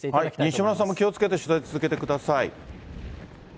西村さんも気をつけて取材続けてください。